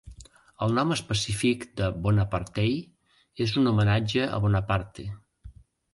El nom específic de "bonapartei" és un homenatge a Bonaparte.